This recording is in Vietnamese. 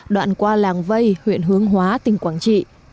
đoạn qua làng vây huyện hướng hóa tỉnh quảng trị